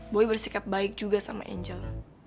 boy bersikap baik juga sama angel